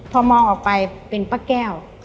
พอมองออกไปเป็นป้าแก้ว